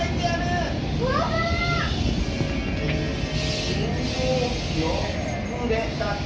「しんごうきをつくれ」だって。